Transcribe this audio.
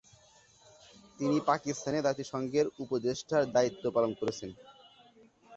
তিনি পাকিস্তানে জাতিসংঘের উপদেষ্টার দায়িত্ব পালন করেছেন।